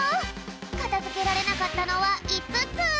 かたづけられなかったのは５つ！